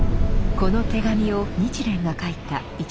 この手紙を日蓮が書いた１年半前。